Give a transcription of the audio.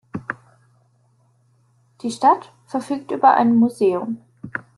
Die Stadt verfügt über ein Museum.